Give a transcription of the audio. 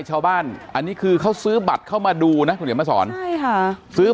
ชาวบ้านอันนี้คือเขาซื้อบัตรเข้ามาดูนะคุณเดี๋ยวมาสอนใช่ค่ะซื้อ